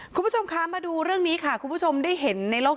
คุณผู้ชมคะมาดูเรื่องนี้ค่ะคุณผู้ชมได้เห็นในโลก